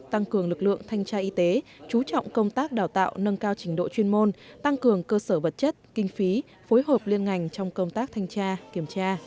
tăng cường lực lượng thanh tra y tế chú trọng công tác đào tạo nâng cao trình độ chuyên môn tăng cường cơ sở vật chất kinh phí phối hợp liên ngành trong công tác thanh tra kiểm tra